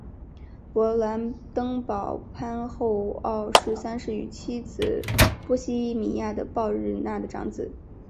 勃兰登堡藩侯奥托三世与妻子波希米亚的鲍日娜的长子。